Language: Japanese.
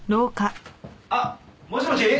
あっもしもし？